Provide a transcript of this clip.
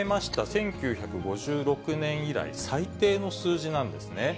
１９５６年以来最低の数字なんですね。